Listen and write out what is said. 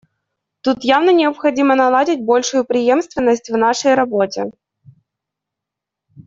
Тут явно необходимо наладить большую преемственность в нашей работе.